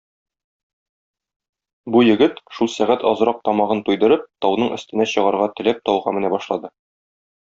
Бу егет, шул сәгать азрак тамагын туйдырып, тауның өстенә чыгарга теләп тауга менә башлады.